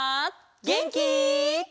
げんき？